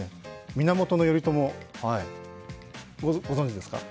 源頼朝、ご存じですか？